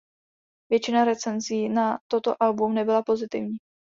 Většina recenzí na toto album nebyla pozitivní.